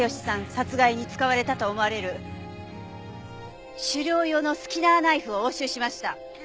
殺害に使われたと思われる狩猟用のスキナーナイフを押収しました。